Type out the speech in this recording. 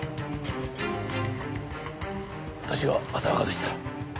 私が浅はかでした。